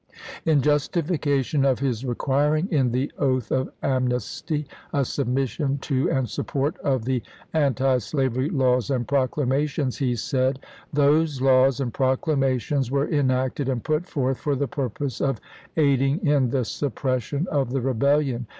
In justification of his D^ce.sf,a&. requiring in the oath of amnesty a submission to and support of the antislavery laws and proclama tions, he said :" Those laws and proclamations were enacted and put forth for the purpose of aid ing in the suppression of the Rebellion.